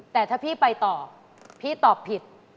แต่ถ้าพี่ไปต่อพี่ตอบผิด